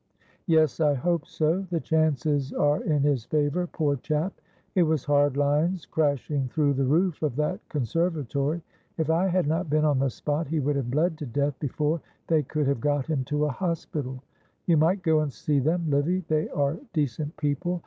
"Yes, I hope so; the chances are in his favour, poor chap; it was hard lines crashing through the roof of that conservatory. If I had not been on the spot he would have bled to death before they could have got him to a hospital. You might go and see them, Livy; they are decent people.